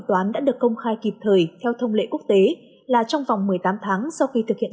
toán đã được công khai kịp thời theo thông lệ quốc tế là trong vòng một mươi tám tháng sau khi thực hiện